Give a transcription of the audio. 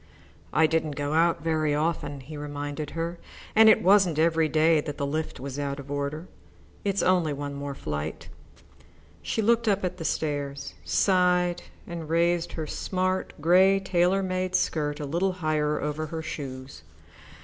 "I didn't go out very often," he reminded her, "and it wasn't every day that the lift was out of order. It's only one more flight." She looked up the stairs, sighed, and raised her smart, grey, tailor made skirt a little higher over her shoes.